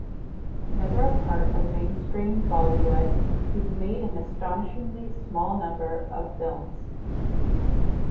Never a part of mainstream "Bollywood", he's made an astonishingly small number of films.